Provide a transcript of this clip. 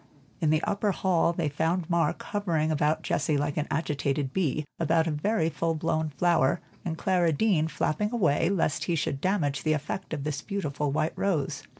In the upper hall they found Mark hovering about Jessie like an agitated bee, about a very full blown flower, and Clara Deane flapping him away, lest he should damage the effect of this beautiful white rose.